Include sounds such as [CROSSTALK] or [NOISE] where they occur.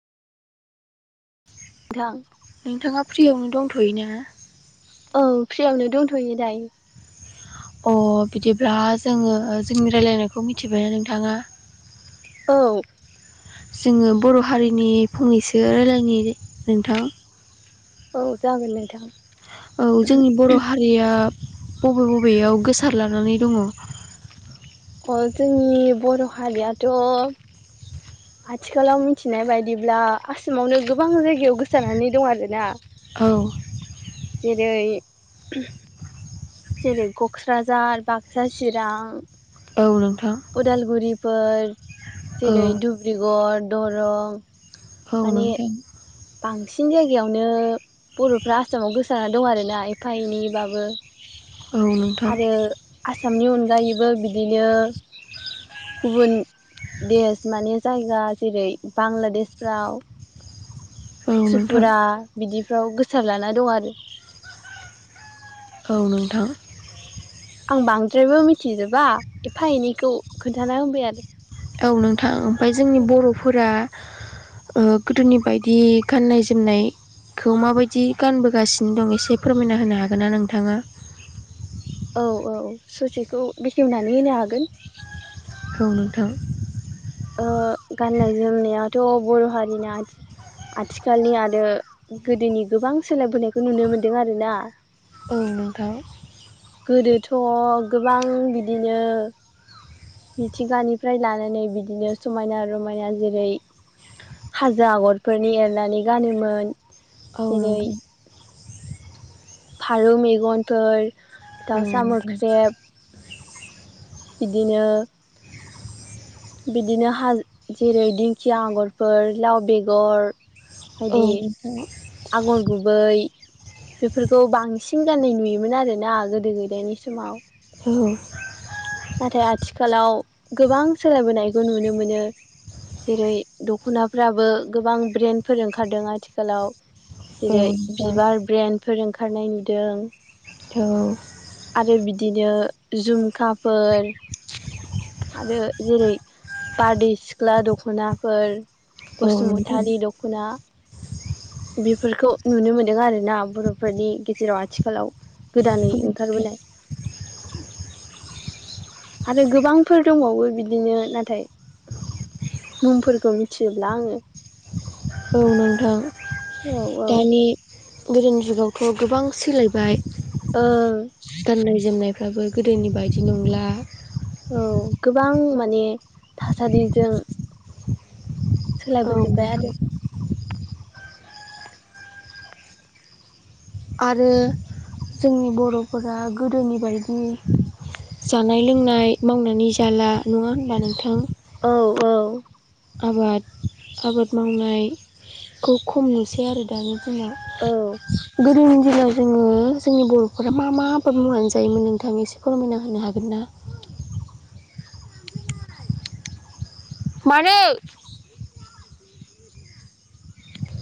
थां। नोंथाङा फ्रियावनो दंथ'यो ना? औ फ्रियावनो दंथ'यो दायो। अ बिदिब्ला जोङो जोंनि रायलायनायखौ मिथिबायना नोंथाङा? औ। जोङो बर' हारिनि फंनैसो रायज्लायनो नोंथां। औ जागोन नोंथां। औ जोंनि बर' हारिया बबे बबेयाव गोसारलानानै दङ? अ जोंनि बर' हारियाथ' आथिखालाव मिथिनाय बायदिब्ला आसामावनो गोबां जायगायाव गोसानानै दं आरोना। औ। जेरै जेरै क'क्राझार बाक्सा चिरां औ नोंथां। फोर औ जेरै धुब्रिगर दरं औ माने नोंथां। बांसिन जायगायावनो बर'फ्रा आसामाव गोसारना दं आरो ना एफा एनैबाबो। औ नोंथां। आरो आसामनि अनगायैबो बिदिनो गुबुन देश माने जायगा जेरै बांलादेशफ्राव औ नोंथां त्रिपुरा बिदिफ्राव गोसारलाना दं आरो। औ नोंथां। आं बांद्रायबो मिथिजोबा एफा एनैखौ खोन्थाना होबाय आरो। औ नोंथां ओमफ्राय जोंनि बर'फोरा ओ गोदोनि बायदि गाननाय जोमनाय खौ माबायदि गानबोगासिनो दं एसे फोरमायना होनो हागोन ना नोंथाङा? औ औ ससेखौ बेखेवनानै होनो हागोन। खौ नोंथां । ओ गाननाय जोमनायाथ' बर' हारिना आ आथिखालनि आरो गोदोनि गोबां सोलायबोनायखौ नुनो मोनदों आरोना। औ नोंथां। गोदोथ' गोबां बिदिनो मिथिंगानिफ्राय लानानै बिदिनो समायना रमायना जेरै हाजो आगरफोरनि एरनानै गानोमोन औ जेरै नोंथां फारौ मेगनफोर औ दाउसा नोंथां मोख्रेब बिदिनो बिदिनो हा जेरै दिंखिया आगरफोर लाव बेगर औ बायदि नोंथां आगर गुबै बेफोरखौ बांसिन गाननाय नुयोमोन आरोना गोदो गोदायानि समाव औ नाथाय आथिखालाव गोबां सोलायबोनायखौ नुनो मोनो जेरै दख'नाफ्राबो गोबां ब्रेन्डफोर ओंखारदों आथिखालाव औ नोंथां औ जेरै नोंथां बिबार ब्रेन्डफोर ओंखारनाय नुदों आरो बिदिनो जुमखाफोर आरो जेरै बारदै सिख्ला दख'नाफोर औ बसुमतारि नोंथां दख'ना [INAUDIBLE] बेफोरखौ नुनो मोनदों आरोना बर'फोरनि गेजेराव आथिखालाव गोदानै ओंखारबोनाय [INAUDIBLE] आरो गोबांफोर दंबावो बिदि दिनो नाथाय मुंफोरखौ मिथिजोब्ला आङो औ नोंथां औ औ दानि गोदोनि जुगावथ' गोबां सोलायबाय ओं गाननाय जोमनाय फ्राबो गोदोनि बायदि नंला औ गोबां माने थासारिजों औ सोलायबोजोब्बाय नोंथां आरो आरो जोंनि बर'फोरा गोदोनि बायदि जानाय लोंनाय मावनानै जाला नङा होनबा नोंथां औ औ आबाद आबाद मावनायखौ खम नुसै आरो दानि औ दिनाव गोदोनि दिनाव जोङो जोंनि बर'फोरा मा मा आबाद मावनानै जायोमोन नोंथां एसे फोरमायना होनो हागोन ना [INAUDIBLE] मानो